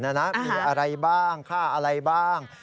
มีอะไรบ้างค่าอะไรบ้าง